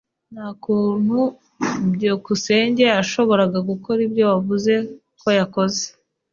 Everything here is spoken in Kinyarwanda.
Nta kuntu byukusenge yashoboraga gukora ibyo wavuze ko yakoze.